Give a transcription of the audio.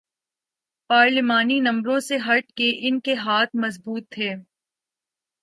پارلیمانی نمبروں سے ہٹ کے ان کے ہاتھ مضبوط تھے۔